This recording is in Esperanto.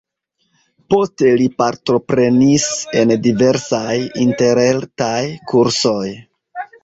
Poste li partoprenis en diversaj interretaj kursoj.